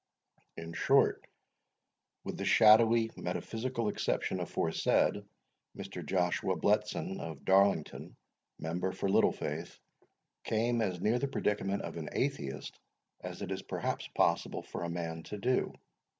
In short, with the shadowy metaphysical exception aforesaid, Mr. Joshua Bletson of Darlington, member for Littlefaith, came as near the predicament of an atheist, as it is perhaps possible for a man to do.